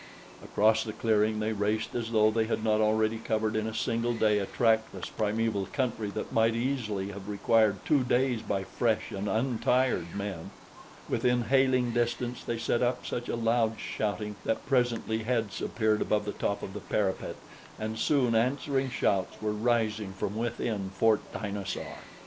Across the clearing they raced as though they had not already covered in a single day a trackless, primeval country that might easily have required two days by fresh and untired men. Within hailing distance they set up such a loud shouting that presently heads appeared above the top of the parapet and soon answering shouts were rising from within Fort Dinosaur.